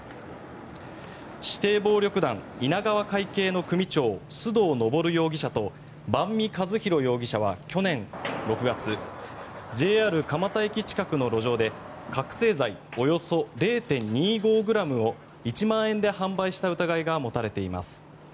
指定暴力団稲川会系の組長須藤昇容疑者と萬實一浩容疑者は去年６月ＪＲ蒲田駅近くの路上で覚醒剤およそ０．２５ｇを１万円で販売した疑いが持たれています。